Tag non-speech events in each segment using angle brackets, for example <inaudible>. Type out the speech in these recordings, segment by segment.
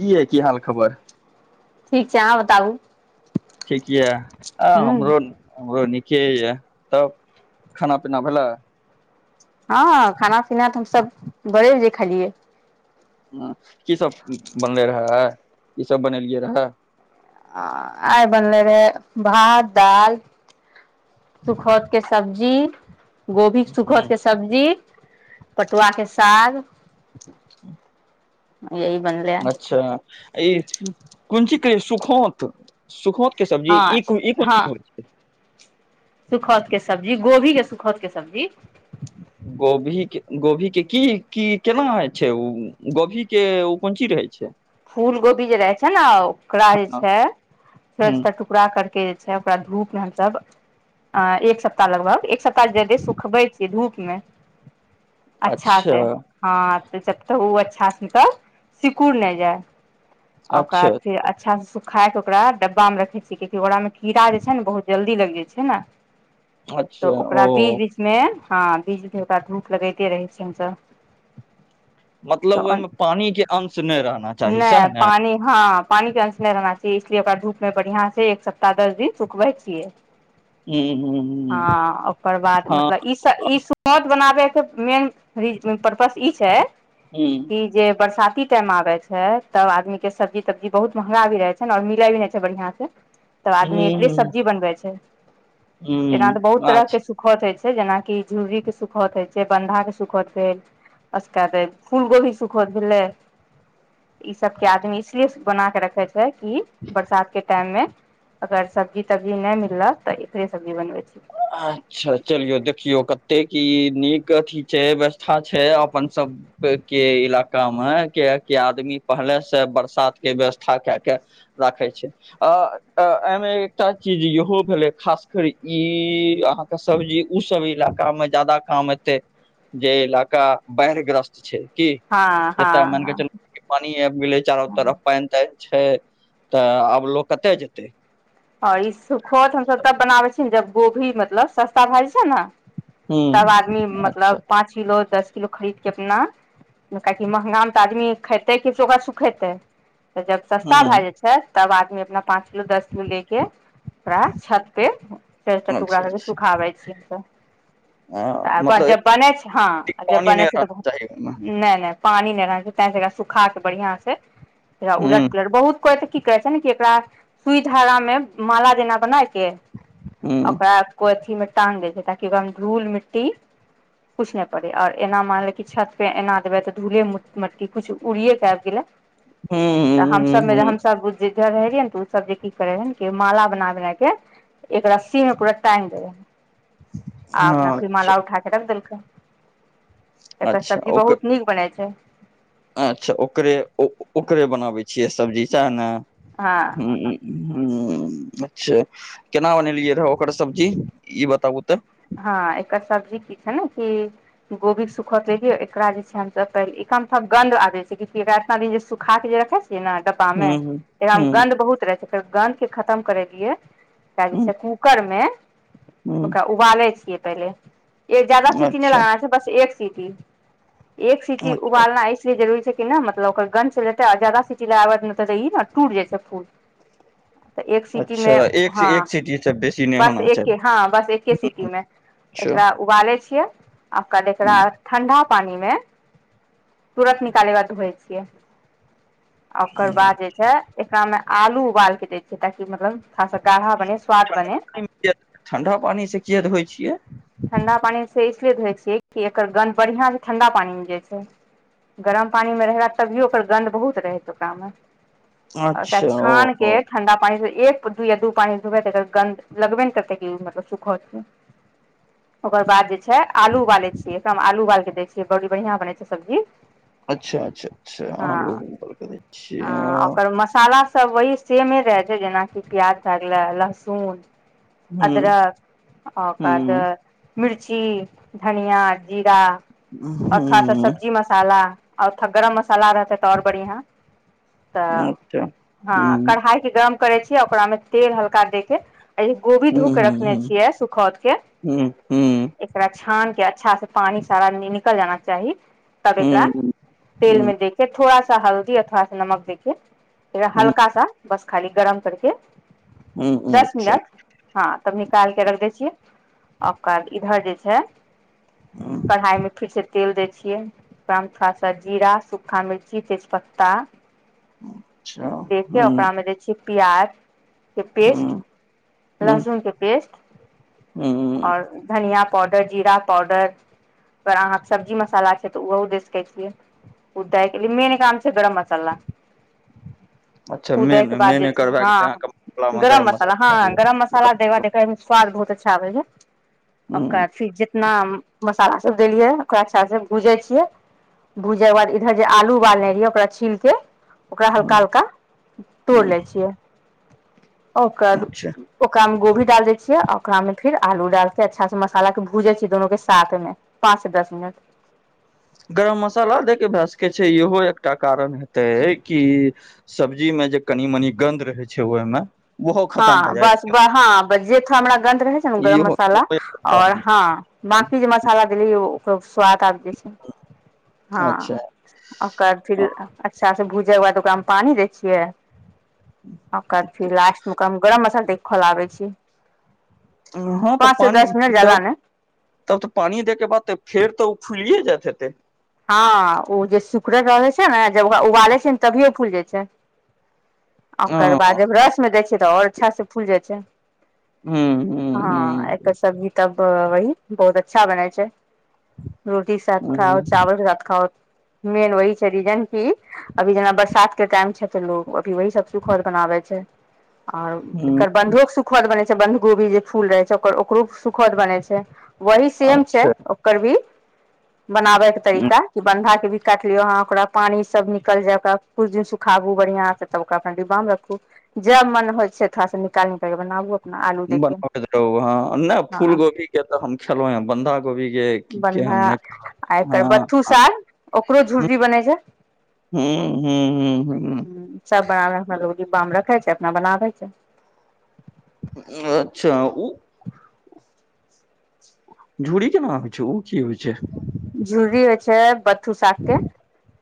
की यै, की हाल-खबर? ठीक छै, अहाँ बताबू? ठिक यऽ आ हूँ हमरो हमरो निक -के य तब खाना-पीना भेलै? हँ खाना-पीना तऽ हमस बड़े <unintelligible> होजे खालियै हॅं, की सब बनलेै रहे आइ, की सब बनेलियै रहए? आइ बनले रहे भात-दाल सुखौत के सब्जी गोभी हूँ, सुखतके सब्जी, पटुआके साग ह्म <unintelligible> यही बनलै अच्छा, ई कोन चीज कहै? सुखोंत, सुखोंतके सब्जी, हँ ई ई कोन चीज? छै सुखौंतके सब्जी, गोभीके सुखौंतके सब्जी गोभीके गोभी के-की, की-केना होइ छै ओ गोभी? के ओ कोंची रहै छै? फूल गोभी जे रहे छै ने, ओकरा जे छै हूँ थोड़ पूरा करके जे छै ओकरा धूपमे हमसभ अ एक सप्ताह लगभग, एक सप्ताह जदे सुखबै छियै धूपमे अच्छा से हँ त तऽ ओ अच्छा से सिकुड़ नहि जाय! अच्छा ओकात फेर अच्छा से सुखायके ओकरा डब्बामे रखै छियै कि ओकरामे कीड़ा जे छै ने बहुत जल्दी लग जाइ छै ने अच्छा तऽ ओकरा ओ बीज बी मे ह बिजके ओकरा धूप लगैते रहै छी हमसभ मतलब ओहिमे पानीके अंश नहि रहना छै नहि, पानी हँ पानीके अंश नहि रहना चाही, इसलिए ओकरा धूपमे बढ़ियां से एक सप्ताह दस दिन सुखबै छियै हूँ हूँ हूँ हँ, ओकर बाद हँ मतलब ई ई सुखौंत बनाबैके मेन परपस ई छै हूॅं ई जे बरसाती टाइम आबे छै तब आदमीके सब्जी-तब्जी बहुत महँंगा भी रहे छै ने और मिले भी नहि छै बढियाँसे तब आदमी एकरे हुँ सब्जी बनबै छै, एना तऽ बहुत हुँ अच्छा तरहके सुख सुखौत होइ छै, जेनाकि झुरीके सुखौत होइ छै, बन्धाके सुखौत भेल <unintelligible> फूल गोभी सुखौत भेलै ई सभके आदमी इसलिए बना कऽ रखै छै कि बरसातके टाइममे अगर सब्जी-तब्जी नहि मिललऽ तऽ एकरे सब्जी बनबै छै अच्छा चलियौ, देखियौ कतेक ई नीक अथी छै, व्यवस्था छै अपन सब के इलाकामे कि आदमी पहले से बरसात के व्यवस्था कऽ के राखै छै आ एहिमे एकटा चीज इहो भेलै खास कर ई अहाँ के सब्जी उ सब इलाकामे ज्यादा काम एतै जे इलाका बाढ़ि ग्रस्त छै। की, हँ जतय हँ मानिके हँ चलु ओ पानि आइब गेलै चारू हँ तरफ पानि-तानि छै तऽ आब लोक कतय जेतै? आओर ई सुखोत हमसभ तब बनाबै छीयै जब गोभी मतलब सस्ता भए जाइ छैय ने तब आदमी हूँ अच्छा मतलब पाँच किलो दस किलो खरीदके अपना कियाकि महँंगा मे तऽ आदमी खेतै कि ओकरा सुखेतै? तऽ जब सस्ता भए हूँ जाय छैय तब आदमी अपना पाँंच किलो दस किलो ले के ओकरा छत पे चारिटा टुकड़ा अच्छा करके अच्छा सुखाबै छियै त हँ तऽ अपन मतलब जे एक बनै छैय हँ रति जब पानी नहि बनै छैय रहना तऽ चाही ओहिमे नहि नहि पानी नहि रहके चाही त सुखा के बढ़ियां से उलट हूँ पुलट बहुत को की करै छैय ने कि एकरा सुई झागा में माला जेना बना के हूँ ओकरा को अथी मे टंग दै छैय ताकि ओकरा धूल मिट्टी किछु नहि पड़ै और एना मानले कि छत पे एना देबै तऽ धूले मट्टी कुछु उड़िए क आबि गेलै। हू तऽ हमस मे हमस जिधर रह रयै ने तऽ ओ सब जे की करे है के माला बना बना के एक रस्सी मे पूरा टग दे हय। आ अपना हँ फीर माला अच्छा उठा क रख देलकै। एकर अच्छा सब्जी ओकर बहुत नीक बनै छैय। अच्छा ओकरे ओकरे बनाबै छियै सब्जी सैहे ने? हाँ हूं हूं अच्छा केना बनेलियै रहऽ ओकर सब्जी ई बताबू तऽ? हँ एकर सब्जी की छैय ने कि गोभी सुखत <unintelligible> एकरा जे छैय हम एक गंध आबै छैय <unintelligible> एकरा इतना दिन जे सुखाके जे रखे छैय डब्बामे हूँ हूँ एकरामे हूँ गन्ध बहुत रहै छैय फेर गन्धके खतम करै लियै <unintelligible> हूँ छैय कूकर मे ओकरा हूँ उबालै छियै पहिले एक ज्यादा सीटी नहि अच्छा लगाबै छीयै बस एक सीटी एक सीटी अच्छा उबालना इसलि जरुरी छैय कि ने मतलब ओकर गंध चलि जेतै आर ज्यादा सीटी लगबऽ ई न टूट जाइ छैय फूल तऽ एक सिटी अच्छा मे एक से हँ एक सीटी से बेसी नहि बस होना चाही एक हँ बस एके सिटी में अच्छा एकरा उबाले छियै आकराद एकरा ठंडा पानी मे तुरत निकाले बला धोई छियै। आ ओकर बाद जे छैय एकरामे आलू उबाल के दै छियै ताकि मतलब खासा काढ़ा बने स्वाद बने। किया ठण्डा पानि से किया धोय छियै? ठंडा पानी से इसलिए धोए छियै कि एकर गन्ध बढ़ियांसे ठंडा पानी मे जाइ छैय। गरम पानी मे रहा तभियो ओकर गन्ध बहुत रहत ओकरामे ओकरा अच्छा ओ छान ओ के ठण्डा पानीसे एक या दू पानीसे धबय त एकर गन्न्द लगबे ने करतै कि मतलब <unintelligible> ओकर बाद जे छैय आलू उबालै छियै एकरामे आलू उबाल के दै छियै बड़ी बढ़ियां बनै छैय सब्जी। अच्छा अच्छा हँ अच्छा <unintelligible> दै हँ छियै ओकर मसाला सब वही सेमे रहै छैय जेनाकि प्याज भए गेलै लहसुन अदरक ओकर हूँ बाद मिर्ची धनिया जीरा आओर थोड़ा सा हूँ सब्जी मसाला आा गरम मसाला रहत तो आओर बढ़िआँ तऽ हूँ अच्छा हूँ कढ़ाई के गरम करै छियै ओकरा मे तेल हल्का देके गोभी हूँ धोके रखने हूँ छियै सुखौद के हूँ हूँ एकरा छान के अच्छासे पानि सारा निकल जाना चाही तब हूँ एकरा हूँ तेल मे हूँ देके थोड़ा सा हल्दी आर थोड़ा सा नमक देखे हल्का सा बस खाली गरम करके हूँ हूँ दस अच्छा मिनट हँ तब निकालके रख दै छियै ओकर इधर जे छैय हम्म, कढ़ाइमे फिरसे तेल दै छियै ओकरामे थोड़ा सा जीरा सूखा मिर्ची तेजपत्ता अच्छा देके हूँ ओकरामे दै छियै प्याज के पेस्ट हूँ हूँ लहसुन के पेस्ट हूँ और धनिया पाउडर जीरा पाउडर पर अहाँके सब्जी मसाला छै तऽ ओहो दे सकै छियै उ दइ मेन काम छै गरम मसाला अच्छा मेन उदयके बाद मेन जे छै एकर भए गेलै हँ अहाँके मसला मे गरम मसाला हँ भए गेलै गरम मसाला सालब स्वाद बहुत अच्छा आबै ह ओकरा हूँ फेर जितना मसालाभ देलियै ओकरा अच्छासँ भूजै छियै भूजै के बाद इधर जे आलू उबालने रहिै ओकरा छीलके ओकरा हल्का हूँ हल्का तोड़ि हूँ लै छियै ओकर अच्छा ओकरा में गोभीडाल दै छियै ओकरा में फिर आलू डालते अच्छा से मसाला के भूजे छै दुनू के साथ मे पाँच से दस मिनट गरम मसाला दे के भए सकै छै इहो एकटा कारण हेतै कि सब्जीमे जे कनि मनी गन्ध रहै छै ओहिमे ओहो खतम भए हँ जाइ बस हँ बस जे थोड़ा हमरा गन्न्द रहै छै ने ओ गरम इहो मसाला आओर हँ बाँकी जे मसाला देली ओकरो स्वाद आबि जे छै हँ अच्छा ओकर फिर अच्छा से भूजै के बाद ओकरा मे पानी दै छियै ओय क फिर लासटमे क गरम मसाला दैके खोलाबे छै हँ तऽ पानि तब तऽ पानि दय के बाद तऽ फेर तऽ ओ खुलिय जाइत हेतै हँ ओ जे सुखुरल रहै छै ने जब ओकरा उबाले छै ने तभियो फूल जाइ छै आ ओकर हँ बाद रसमे दै छियै तऽ आओर अच्छा से फूल जाई छै हूँ हूँ हँ एकर हूँ सब्जी तब वही बहुत अच्छा बनै छै रोटी साथ खाउ हूँ चावल साथ खाउ मेन वही छै रीजन की अभी जेना बरसात के टाईम छै लोग अभी वही सब सुखोत बनाबे छै आऔर हूँ एकर बन्धो सुखोत बनै छै बन्ध गोभी जे फूल रहै छै ओकर ओकरो सुखोत बनै छै वही सेम छै अच्छा ओकर भी बनाबे के तरीका की बन्धा के भी काटलियोहाँ ओकरा पानी सब निकल जाय ओकरा कुछ दिन सुखाबु बढ़ियां से तब ओकरा डिब्बा मे रखु जब मन होइ छै थोड़ा निकाल निकाल क बनाबो बनबैत रहू हँ नहि फूल हँ गोभीके तऽ हम खेलहुँ हेँ बन्धा गोभीके बन्धा आई बथु साग ओकरो झुर्रि बनै छै हूँ हूँ हूँ हूँ सब बनाबे अपनो डिब्बा रखे छै अपना बनाबै छै अच्छा ओ झुड़ी केना होइ छै ओ की होइ छै झुड़ी होइ छै बतथू साग के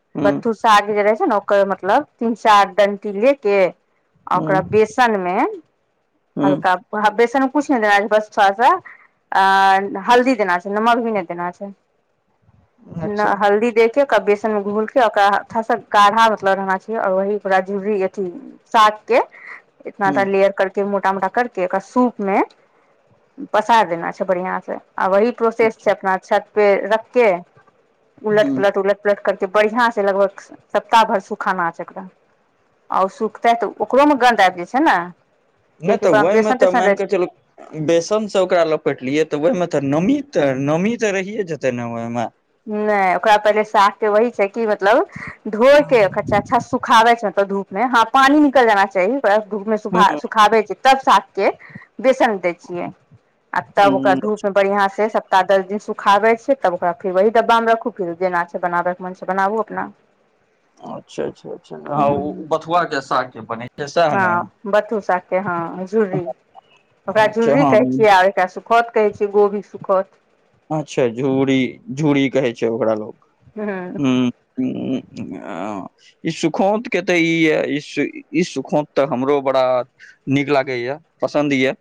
हूं बतथू साग जे रहे छै ने ओकर मतलब तीन चार डंटी ले के आ हूं ओकरा बेसनमे हूं हल्का बेसन म कुछ नहि देना छै बस थोड़ा सा अ हल्दी देना छै नमक भी नहि देना छै अच्छा हल्दी देके बेसन मे घूल के ओकरा तोड़ा से गाढ़ा मतलब रहना चाहिए आऔर वही पूरा झुड़ी अथी साग के इतना हूं लेयर कर के मोटा मोटा करके ओरा सूप मे पसार देना छै बढ़िया से आ वहि प्रोसेस अच्छा छै अपना छत पे रख के हूं उलट पुलट उलट पुलट क बढ़िया से लगभग सप्ताह भर सुखाना छै ओकरा आ सुखते तऽ ओकरोमे गन्ध आबि जाई छै ने नहि कियाकि तऽ ओकरामे ओहिमे बेसन तऽ तेसन रहै मानिकऽ चलू बेसन से ओकरा लपेटलियै तऽ ओहिमे तऽ नमी तऽ नमी तऽ रहिय जेते ने ओहिमे नहि ओकरा पहिले साथ के वहि छै कि मतलब धो के अच्छा से सुखाबै छै धूप मे ह पानी निकल जयना हूं चाही सुखाबे छै तब साग के बेसन दै छियै आ तब ओकरा हूं धूप में बढ़िया से सप्ताह दस दिन सुखाबे छै तब ओकरा फिर वहि डब्बा मे रखू फिर जेना छै बनाबे के मन छै बनाबू अपना अच्छा अच्छा अच्छा हँ ओ हूँ बथुआ के साग बनैते सएह ने हँ बथु साग के हँ झुरी ओकरा अच्छा झूररी हँ कहे छियै एकरा सुखोत कहै छै गोभी सुखोत अच्छा झूरी झूरी कहै छै ओकरा लोग हूँ हूं ह आ ई सुखोंत के तऽ ई यै ई ई सुखोंत तऽ हमरो बड़ा नीक लागैए पसन्द यए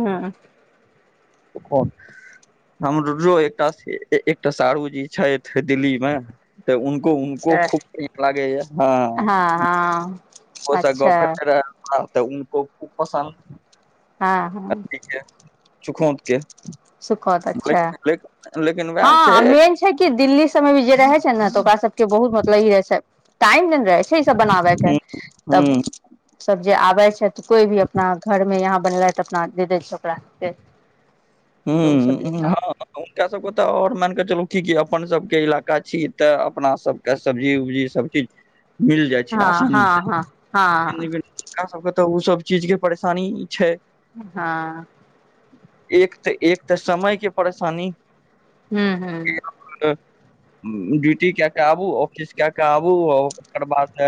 हँ त कोन हमरो एकटा एकटा शारुजी छथि दिल्ली मे तऽ उनको उनको खूब निक लागैए हँ हाँ हाँ हउ ओ सब गप रह तऽ उनको खूब हँ पसन्द हँ अथी के चुखौत केे सुखौत अच्छा वेट लेकिन वएह छै हँ मेन छै कि दिल्ली सब मे भी जे रहे छै ने तऽ ओकरा सब के बहुत मतलब ई रहे छै टाईम मिल जाए छै छै सब बनाबै के तब हूँ सब जे आबे छै कोई भी अपना घरमे यहाँ बनलै तऽ अपना दे दै छै ओकरा आरके हूँ हँ हुनका सबके तऽ और मानिके चलू ठीके अपन सबके ईलाका छी तऽ अपना सब के सब्जी उब्जी सब चीज मिल जाइ छै हँ आसानीसँ हँ हँ हँ हुनका सबके तऽ ओ सब चीज के परेशानी ई छै हाँ एक तऽ एक तऽ समय के परेशानी हू हू कि ड्यूटी क के आबू ऑफिस कए के आबू ओकर बाद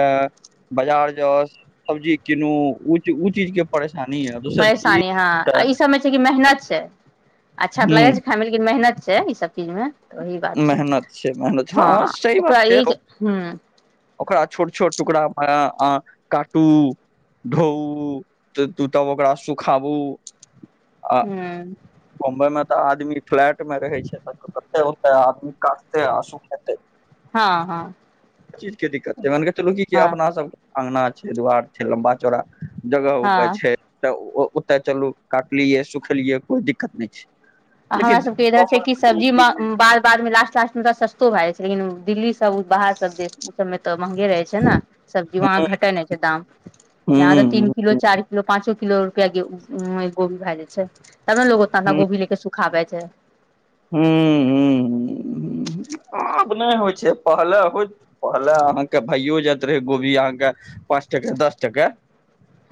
बाजार जाउ सब्जी कीनू ओ ओ चीज के परेशानी ह दोसर की सब मे छै मेहनत छै अच्छा तऽ लगे हुं छै खाइ मे लेकिन मेहनत छै ई सब चीज में ओही बात छै मेहनत छै मेहनत हँ सही बात ओकरा छै ई ह्म ओकरा छोट छोट टुकड़ा काटू धोउ तू तब ओकरा सुखाबू आ ह्म्म बम्बई में तऽ आदमी फ्लैट में रहै छै त कते ओते आदमी काट तै आ सुखैते हँ हँ इ चीज के दिक्कत छै मान के चलू की हँ अपना सब अंगना छै दुवार छै लम्बा चौड़ा जगह उग हँ छै तऽ ओतऽ चलू काटलियै सुखेलियै कोई दिक्कत नहि छै हमरा सबके इधर छै कि सब्जी लेकिन बाद बाद मे लास्ट लास्ट मे त सस्तो भए जाइ छै लेकिन दिल्ली सब बाहर सब दे ओ सबमे तऽ महंगे रहै छै ने सबजीज वहाँ घटै नहि छै दाम यहाँ तऽ तीन किलो हूँ चारि लोग पांचो किलो रुपया गोभी भए जाइ छै तब ने लोग ओतना गोभी लेके सुखाबै छै ह्म ह्म ह्म आब नहि होइ छै पहले हो पहिले अहाँके भइयो जायइत रहै गोभी अहाँके पाँच टके दस टके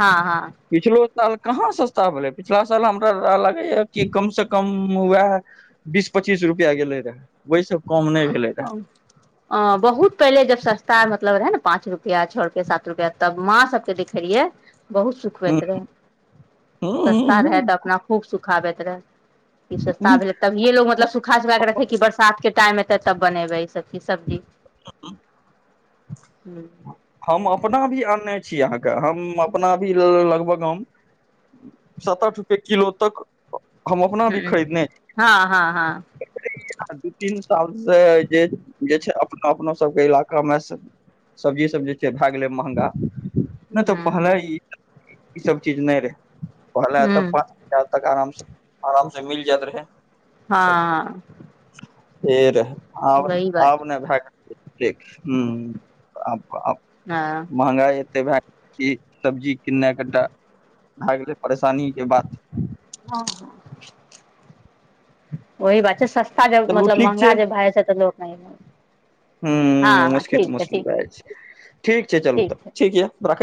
हँ हँ पिछलो साल कहाँ सस्ता भेलै पिछला साल हमरा लागैए की कम से कम उएह बीस पच्चीस रुपया गेलै रहै ओ <unintelligible> अ बहुत पहिले जब सस्ता मतलब रहे ने पाँंच रुपआ छओ रुपआ सात रुपआ तब माँ सबके देखे रहियै बहुत सुखबैत रहए सस्ता रहए तऽ अपना खूब सुखाबैत रहए ई सस्ता भेलै तभिय लोग मतलब सुखा सुखाऽ रखै की बर्षा रातके टाइम एतै तब बनेबै ई सब चीज सब्जी, हूॅं हम अपना भी आनने छी अहाँके, हम अपना भी लगभग हम सात आठ रुपए किलो तक हम अपना भी ह खरीदने हँ हँ हँ आ दू तीन साल से जे जे छै अपने अपनो सबके इलाकामे सब्जी सब जे छै भए गेलै मँहगा नहि तऽ ह पहले ई सब चीज नहि रहै, पहले तऽ ह जहाँ तक आरामसे, आरामसे मिल जाइत रहै हँ फेर आब वही बात आब नहि भए गेल <unintelligible> हूॅं, आब आब हँ महंगाई एते भए गेल की सब्जी किननाइ कनिटा <unintelligible> भए गेलै परेशानीेके बात हॅं, ओहि बात छै सस्त चलू <unintelligible> ठीक महँंगा छै जे भए छै तऽ लोक नहि हूॅं, हँ हँ ठीक छै मुश्किल-मुश्किल ठीक भए जा छै, ठीक छै चलू तब ठीक यए।